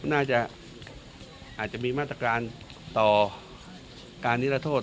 น่าจะอาจจะมีมาตรการต่อการนิรโทษ